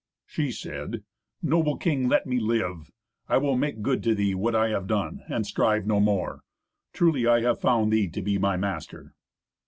She said, "Noble king, let me live. I will make good to thee what I have done, and strive no more; truly I have found thee to be my master."